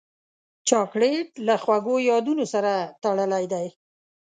چاکلېټ له خوږو یادونو سره تړلی دی.